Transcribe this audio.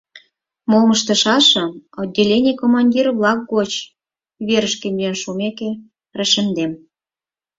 Мом ыштышашым отделений командир-влак гоч верышке миен шумеке рашемдем.